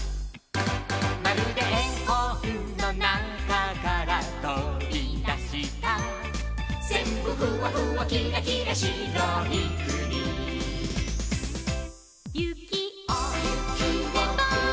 「まるでえほんのなかからとびだした」「ぜんぶふわふわきらきらしろいくに」「ゆきをふめば」